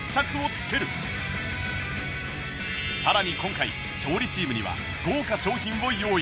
さらに今回勝利チームには豪華賞品を用意